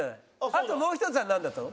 あともう一つはなんだったの？